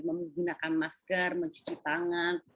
menggunakan masker mencuci tangan